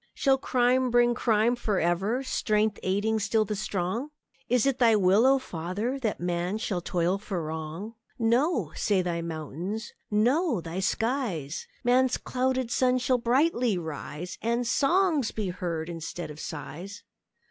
Shall crime bring crime for ever, Strength aiding still the strong? Is it Thy will, O Father! That man shall toil for wrong? "No!" say Thy mountains; "No!" Thy skies; "Man's clouded sun shall brightly rise, And songs be heard instead of sighs."